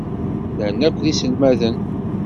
Llan akk d iselmaden.